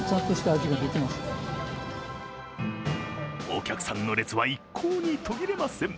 お客さんの列は一向に途切れません。